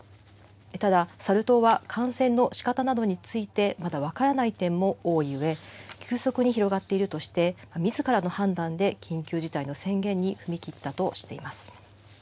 ただ、サル痘は感染のしかたなどについてまだ分からない点も多いうえ、急速に広がっているとして、みずからの判断で緊急事態の宣言